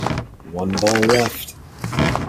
One ball left.